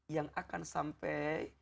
yang akan sampai